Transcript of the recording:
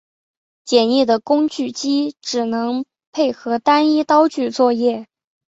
简易的工具机只能配合单一刀具作业。